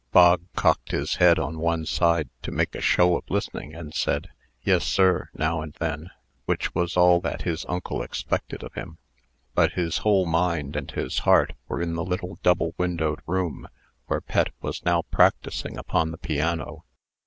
Bog cocked his head on one side, to make a show of listening, and said "Yes, sir," now and then, which was all that his uncle expected of him. But his whole mind, and his heart, were in the little double windowed room, where Pet was now practising upon the piano.